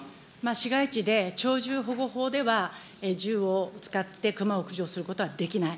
市街地で鳥獣保護法については銃を使って熊を駆除することはできない。